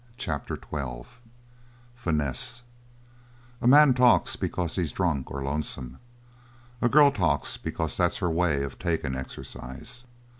CHAPTER XII FINESSE "A man talks because he's drunk or lonesome; a girl talks because that's her way of takin' exercise."